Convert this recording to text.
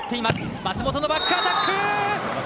舛本のバックアタック。